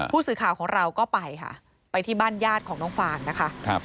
ผู้สื่อข่าวของเราก็ไปค่ะไปที่บ้านญาติของน้องฟางนะคะ